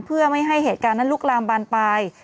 เพื่อไม่ให้เหตุการณ์นั้นลุกลามบานปลาย